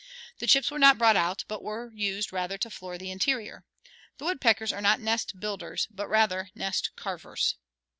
The chips were not brought out, but were used rather to floor the interior. The woodpeckers are not nest builders, but rather nest carvers.